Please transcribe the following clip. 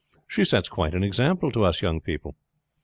"She sets quite an example to us young people."